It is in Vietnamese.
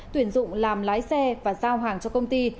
tuyển dụng làm lái xe và giao hàng cho công ty